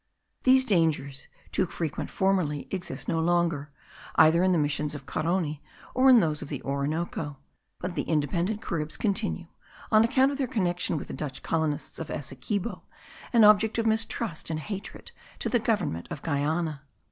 These dangers, too frequent formerly, exist no longer, either in the missions of Carony, or in those of the Orinoco; but the independent Caribs continue, on account of their connection with the Dutch colonists of Essequibo, an object of mistrust and hatred to the government of Guiana.